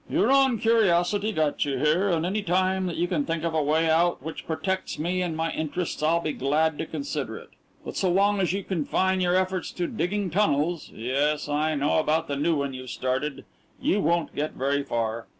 Your own curiosity got you here, and any time that you can think of a way out which protects me and my interests I'll be glad to consider it. But so long as you confine your efforts to digging tunnels yes, I know about the new one you've started you won't get very far.